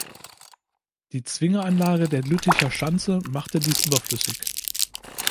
Die Zwingeranlage der Lütticher Schanze machte dies überflüssig.